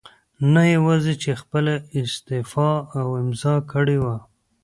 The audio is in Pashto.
نه یواځې چې خپله استعفاء امضا کړې وه